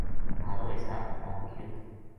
مھارو حساب کتاب کیو